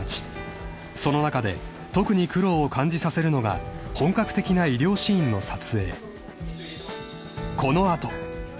［その中で特に苦労を感じさせるのが本格的な医療シーンの撮影］